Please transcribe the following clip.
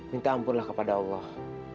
minta ampunlah kepada allah